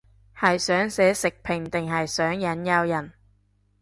係想寫食評定係想引誘人